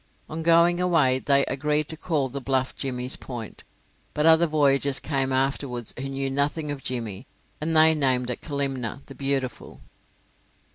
On going away they agreed to call the bluff Jimmy's point, but other voyagers came afterwards who knew nothing of Jimmy, and they named it Kalimna, The Beautiful.